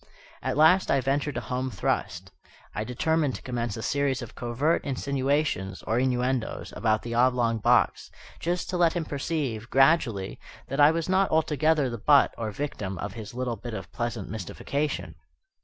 At last I ventured a home thrust. I determined to commence a series of covert insinuations, or innuendos, about the oblong box, just to let him perceive, gradually, that I was not altogether the butt, or victim, of his little bit of pleasant mystification.